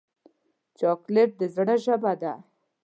چاکلېټ د زړه ژبه ده.